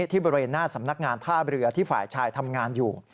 ที่บริเวณหน้าสำนักงานท่าเรือที่ฝ่ายชายทำงานอยู่